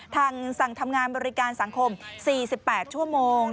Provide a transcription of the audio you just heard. สั่งทำงานบริการสังคม๔๘ชั่วโมง